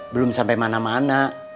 belum sampai mana mana